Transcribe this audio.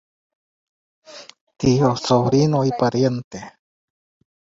Brian Hart Ltd.